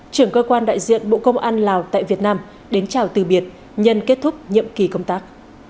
trưởng cơ quan đại diện bộ công an lào tại việt nam đến chào từ biệt nhân kết thúc nhiệm kỳ công tác